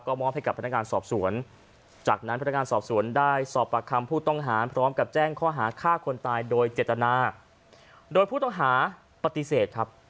มอบให้กับพนักงานสอบสวนจากนั้นพนักงานสอบสวนได้สอบปากคำผู้ต้องหาพร้อมกับแจ้งข้อหาฆ่าคนตายโดยเจตนาโดยผู้ต้องหาปฏิเสธครับ